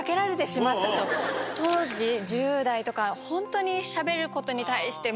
当時１０代とかホントに。